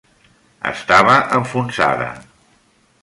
Estava enfonsada.